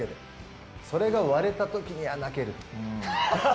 それが割れた時には泣ける。